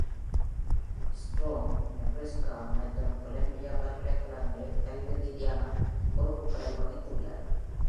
Strong, Nebraska மற்றும் Columbia பல்கலைக்கழகங்களில் கல்வி ரீதியான பொறுப்புகளை வகித்துள்ளார்.